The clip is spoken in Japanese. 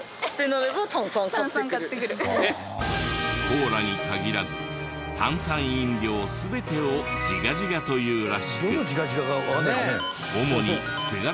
コーラに限らず炭酸飲料全てをジガジガと言うらしく。